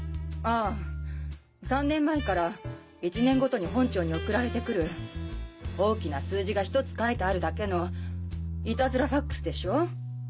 ああ３年前から１年ごとに本庁に送られて来る大きな数字が１つ書いてあるだけのイタズラＦＡＸでしょ？